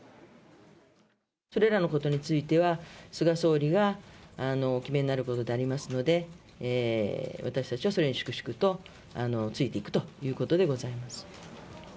それらのことについては、菅総理がお決めになることでありますので、私たちはそれに粛々とついていくということでございます。